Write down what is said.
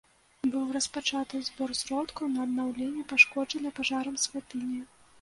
Быў распачаты збор сродкаў на аднаўленне пашкоджанай пажарам святыні.